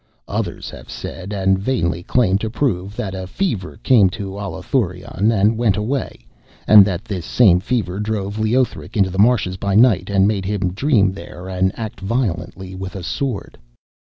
Others have said, and vainly claim to prove, that a fever came to Allathurion, and went away; and that this same fever drove Leothric into the marshes by night, and made him dream there and act violently with a sword.